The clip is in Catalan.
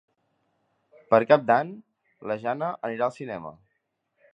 Per Cap d'Any na Jana anirà al cinema.